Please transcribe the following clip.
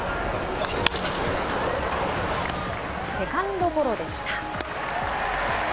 セカンドゴロでした。